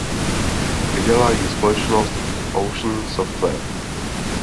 Vydala ji společnost Ocean Software.